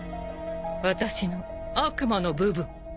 私の悪魔の部分。